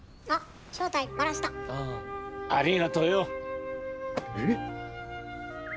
ああああ！